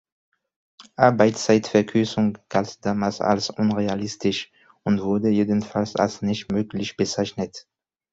Arbeitszeitverkürzung galt damals als unrealistisch und wurde jedenfalls als nicht möglich bezeichnet.